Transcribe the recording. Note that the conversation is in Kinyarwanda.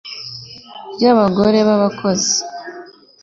ry abagore b abakozi